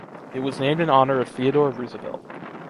It was named in honor of Theodore Roosevelt.